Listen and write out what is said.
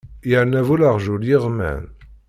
Yerna bu lerjul yeɣman.